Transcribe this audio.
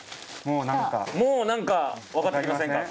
もう何か分かってきませんか？